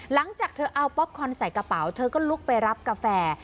หลังจากเธอเอาป๊อปคอนใส่กระเป๋าเธอก็ลุกไปรับกาแฟ